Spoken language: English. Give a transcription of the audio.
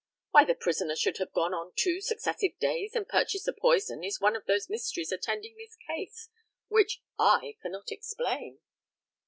Why the prisoner should have gone on two successive days and purchased the poison is one of those mysteries attending this case which I cannot explain.